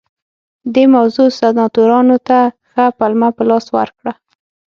دې موضوع سناتورانو ته ښه پلمه په لاس ورکړه